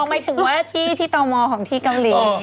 หมายถึงว่าที่ต่อมอของที่เกาหลี